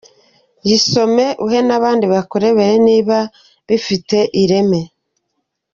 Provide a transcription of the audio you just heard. Yisome uhe n’abandi bakurebere niba bifite ireme.